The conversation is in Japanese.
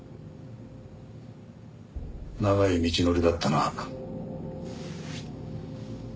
長い道のりだったな。